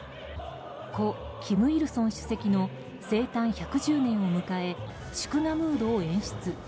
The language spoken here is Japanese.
故・金日成主席の生誕１１０年を迎え祝賀ムードを演出。